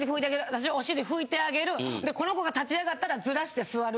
私がお尻拭いてあげるでこの子が立ち上がったらずらして座る。